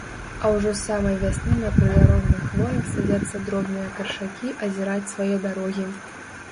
А ўжо з самай вясны на прыдарожных хвоях садзяцца дробныя каршакі азіраць свае дарогі.